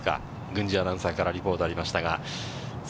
郡司アナウンサーからリポートありましたが。